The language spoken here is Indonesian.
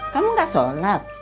kamu gak sholat